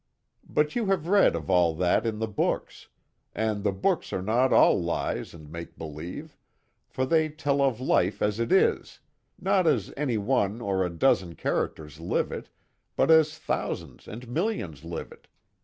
But you have read of all that in the books and the books are not all lies and make believe, for they tell of life as it is not as any one or a dozen characters live it but as thousands and millions live it.